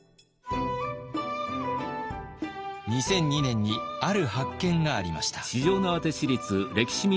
２００２年にある発見がありました。